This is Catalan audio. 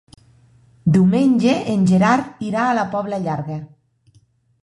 Diumenge en Gerard irà a la Pobla Llarga.